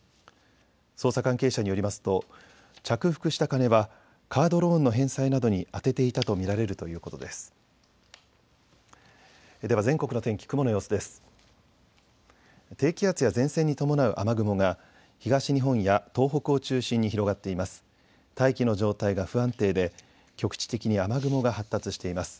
捜査関係者によりますと着服した金はカードローンの返済などに充てていたと見られるということです。